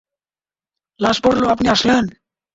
লাশ পড়লো, আপনি আসলেন।